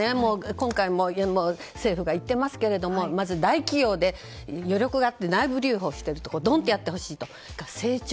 今回も政府が言ってますけどまず大企業で内部留保しているところはドンとやってほしいと。